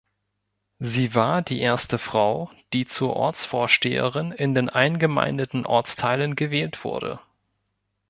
Sie war die erste Frau, die zur Ortsvorsteherin in den eingemeindeten Ortsteilen gewählt wurde.